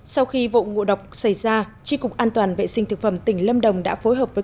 sau khi vụ ngộ độc xảy ra tri cục an toàn vệ sinh thực phẩm tỉnh lâm đồng đã phối hợp với